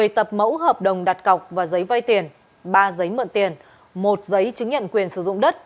một mươi tập mẫu hợp đồng đặt cọc và giấy vay tiền ba giấy mượn tiền một giấy chứng nhận quyền sử dụng đất